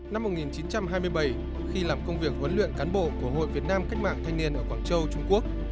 năm một nghìn chín trăm hai mươi bảy khi làm công việc huấn luyện cán bộ của hội việt nam cách mạng thanh niên ở quảng châu trung quốc